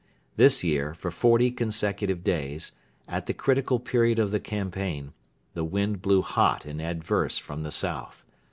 This year, for forty consecutive days, at the critical period of the campaign, the wind blew hot and adverse from the south.